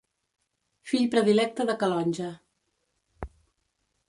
Fill predilecte de Calonge.